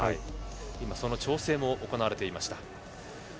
今、その調整も行われていました。